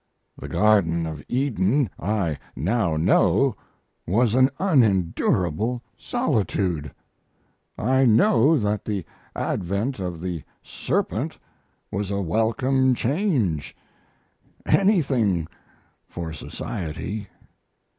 The Garden of Eden I now know was an unendurable solitude. I know that the advent of the serpent was a welcome change anything for society....